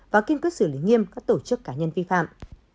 và kiên quyết xử lý nghiêm các tổ chức cá nhân vi phạm